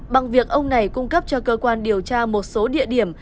bằng việc ông này cung cấp cho cơ quan điều tra một số địa điểm